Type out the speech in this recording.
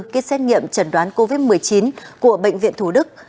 kết xét nghiệm chẩn đoán covid một mươi chín của bệnh viện thủ đức